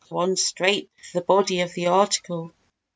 (Go on straight to the body of the article.)